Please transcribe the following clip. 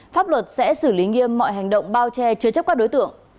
pháp luật sẽ xử lý nghiêm mọi hành động bao che chứa chấp các đối tượng